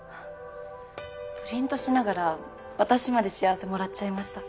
プリントしながら私まで幸せもらっちゃいました。